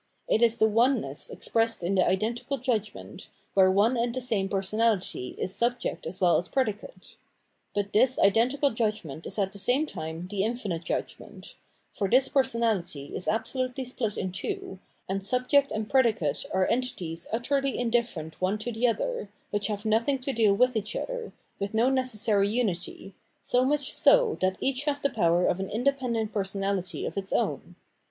It is the oneness expressed in the identical judgment, where one and the same personality is subject as well as predicate. But this identical judgment is at the same time the infinite judgment ; for this personahty is absolutely split in two, and subject and predicate 525 Culture and its Sphere of Reality are entities utterly indifierent one to the other, which have nothing to do with each other, with no necessary unity, so much so that each has the power of an in dependent personahty of its own.